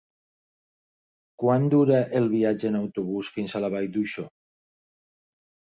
Quant dura el viatge en autobús fins a la Vall d'Uixó?